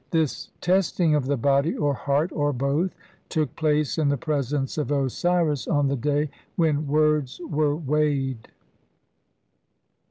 This testing of the body or heart, or both, took place in the presence of Osiris on the day when "words were weighed".